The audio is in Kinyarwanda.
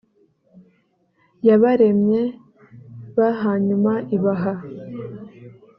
yabaremye b hanyuma ibaha